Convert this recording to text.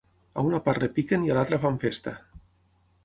A una part repiquen i a l'altra fan festa.